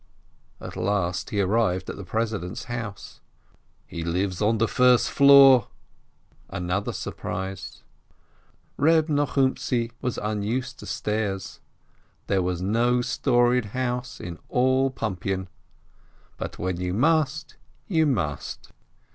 At last he arrived at the president's house. "He lives on the first floor." Another surprise! Reb Nbchumtzi was unused to stairs. There was no storied house in all Pumpian ! But when you must, you must